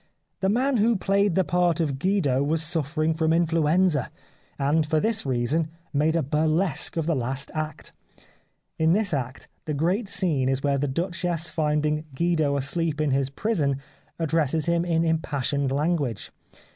The man who played the part of Guido was suffering from influenza, and for this reason made a burlesque of the last act. In this act the great scene is where the Duchess finding Guido asleep in his prison addresses him in impassioned language.